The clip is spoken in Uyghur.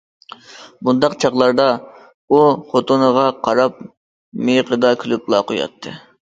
بۇنداق چاغلاردا ئۇ خوتۇنىغا قاراپ مىيىقىدا كۈلۈپلا قوياتتى.